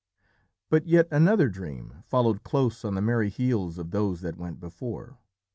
But yet another dream followed close on the merry heels of those that went before.